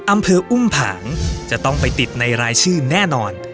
อำเภออุ้มผางจะต้องไปติดในรายชื่อแน่นอน